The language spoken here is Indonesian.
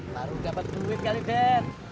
baru dapat duit kali den